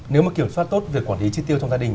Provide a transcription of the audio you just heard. nếu mà kiểm soát tốt việc quản lý chi tiêu trong gia đình